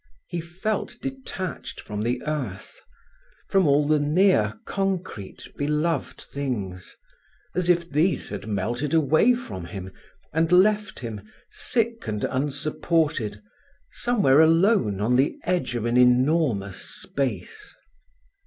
He felt detached from the earth, from all the near, concrete, beloved things; as if these had melted away from him, and left him, sick and unsupported, somewhere alone on the edge of an enormous space.